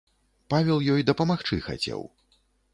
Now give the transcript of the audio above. Павел ёй дапамагчы хацеў.